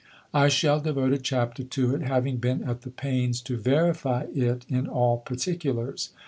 I shall devote a chapter to it, having been at the pains to verify it in all particulars.